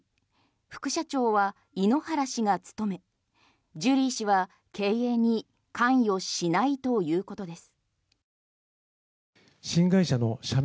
副社長は井ノ原氏が務めジュリー氏は経営に関与しないということです。